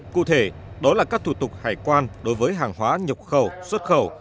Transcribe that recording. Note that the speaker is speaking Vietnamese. cụ thể đó là các thủ tục hải quan đối với hàng hóa nhập khẩu xuất khẩu